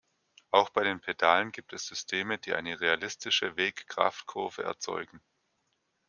Auch bei den Pedalen gibt es Systeme, die eine realistische Weg-Kraft-Kurve erzeugen.